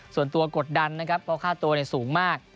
ส่วนตัวกดดันนะครับเพราะค่าตัวสูงมาก